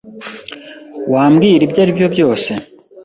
Wambwira ibyo aribyo byose?